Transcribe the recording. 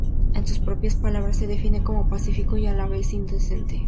En sus propias palabras se define como pacífico y a la vez indecente.